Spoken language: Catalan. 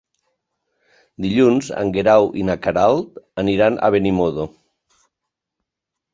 Dilluns en Guerau i na Queralt aniran a Benimodo.